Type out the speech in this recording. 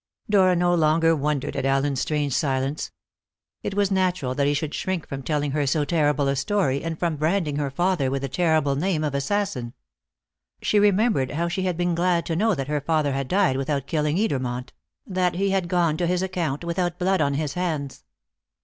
Dora no longer wondered at Allen's strange silence. It was natural that he should shrink from telling her so terrible a story, and from branding her father with the terrible name of assassin. She remembered how she had been glad to know that her father had died without killing Edermont; that he had gone to his account without blood on his hands.